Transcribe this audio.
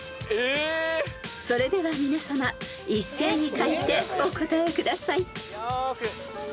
［それでは皆さま一斉に書いてお答えください］